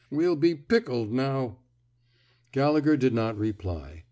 We'll be pickled now." Gallegher did not reply.